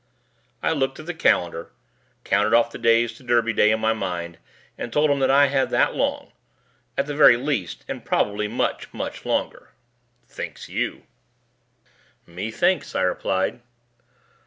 I looked at the calendar, counted off the days to Derby Day in my mind and told him that I had that long at the very least and probably much, much longer. "Thinks you!" "Methinks," I replied.